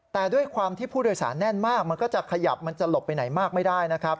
แต่ด้วยความที่ผู้โดยสารแน่นมากมันก็จะขยับมันจะหลบไปไหนมากไม่ได้นะครับ